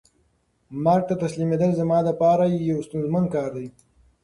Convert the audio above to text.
مرګ ته تسلیمېدل زما د پاره یو ستونزمن کار دی.